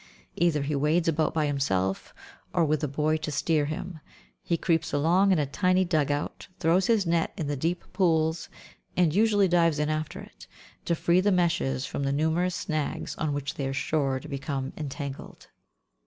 Either he wades about by himself, or, with a boy to steer for him, he creeps along in a tiny dug out, throws his net in the deep pools, and usually dives in after it, to free the meshes from the numerous snags on which they are sure to become entangled.